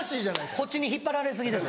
こっちに引っ張られ過ぎです